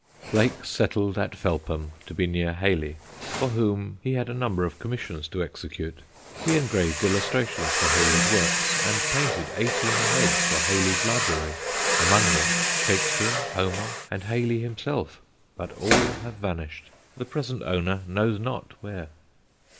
Blake settled at Felpham to be near Hayley, for whom he had a number of commissions to execute. He engraved illustrations to Hayley's works, and painted eighteen heads for Hayley's library among them, Shakespeare, Homer, and Hayley himself; but all have vanished, the present owner knows not where.